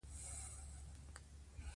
ایا دوی انسانان په خاورو منډي؟